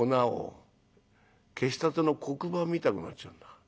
消したての黒板みたくなっちゃうんだ。